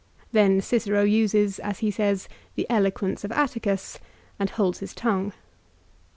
Then Cicero uses, as he says, the eloquence of Atticus, and holds his tongue.